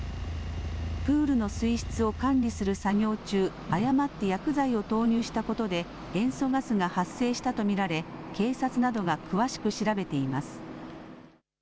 プールの水質を管理する作業中誤って薬剤を投入したことで塩素ガスが発生したと見られ警察などが詳しく調べています。